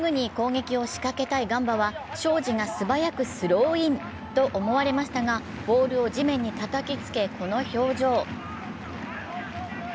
すぐに攻撃を仕掛けたいガンバは昌子がすばやくスローインと思われましたが、ボールを地面にたたきつけこの表情。